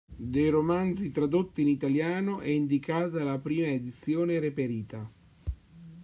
Dei romanzi tradotti in italiano è indicata la prima edizione reperita.